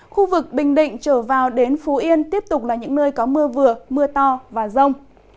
khu vực bình định trở vào đến phú yên tiếp tục là những nơi có mưa vừa mưa to và rông